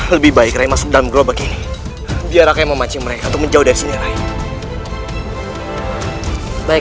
lebih baik remas dalam gelobak ini biar aku memancing mereka menjauh dari sini baik baik